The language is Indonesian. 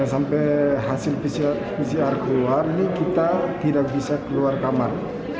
sampai hasil pcr keluar ini kita tidak bisa keluar kamar